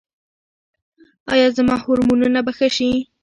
ایا زما هورمونونه به ښه شي؟